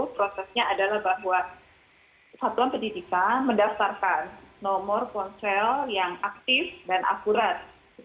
prosesnya adalah bahwa satuan pendidikan mendaftarkan nomor ponsel yang aktif dan akurat